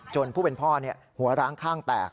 ผู้เป็นพ่อหัวร้างข้างแตก